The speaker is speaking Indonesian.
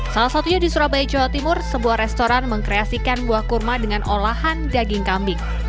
salah satunya di surabaya jawa timur sebuah restoran mengkreasikan buah kurma dengan olahan daging kambing